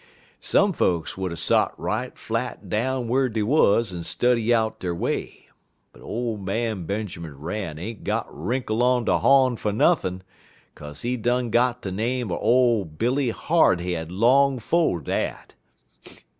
Some folks would er sot right flat down whar dey wuz en study out der way, but ole man Benjermun Ram ain't got wrinkle on he hawn fer nothin', kaze he done got de name er ole Billy Hardhead long 'fo' dat.